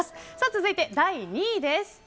続いて、第２位です。